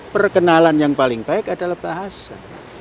perkenalan yang paling baik adalah bahasa